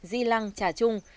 di lăng trà trung